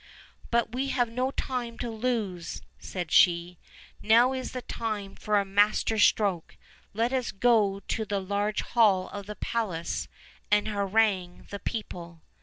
"But we have no time to lose," said she; "now is the time for a master stroke; let us go to the large hall of the palace, and harangue the people."